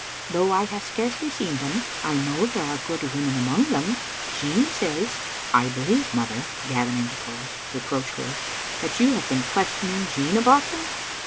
Though I have scarcely seen them, I know there are good women among them. Jean says "" I believe, mother," Gavin interposed, reproachfully, "that you have been questioning Jean about them?"